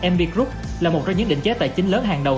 mb group là một trong những định chế tài chính lớn hàng đầu